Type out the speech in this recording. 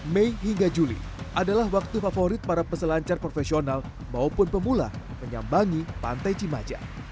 mei hingga juli adalah waktu favorit para peselancar profesional maupun pemula menyambangi pantai cimaja